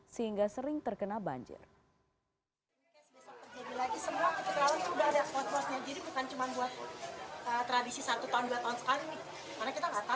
sehingga sering terkena banjir